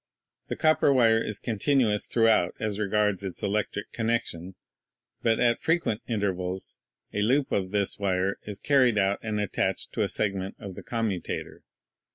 The copper wire is continuous throughout as regards its electric connection, but at frequent intervals a loop of this Section of a Gramme Ring Armature. wire is carried out and attached to a segment of the com mutator.